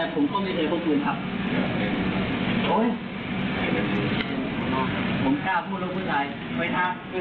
ผมไม่เคยพกปืนนี่ผู้ชายได้กี่ฟืน